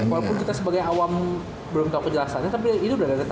walaupun kita sebagai awam belum tau kejelasannya tapi itu udah tanda